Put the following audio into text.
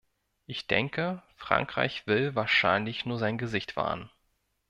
Ich denke, Frankreich will wahrscheinlich nur sein Gesicht wahren.